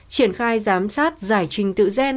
triển khai giám sát giải trình tự gen